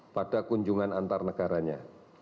pada kunjungan antar negaranya